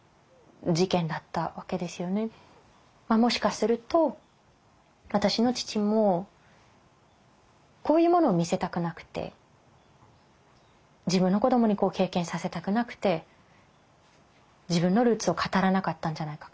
もしかすると私の父もこういうものを見せたくなくて自分の子どもに経験させたくなくて自分のルーツを語らなかったんじゃないか。